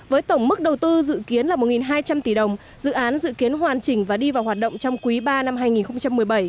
với tổng mức đầu tư dự kiến là một hai trăm linh tỷ đồng dự án dự kiến hoàn chỉnh và đi vào hoạt động trong quý ba năm hai nghìn một mươi bảy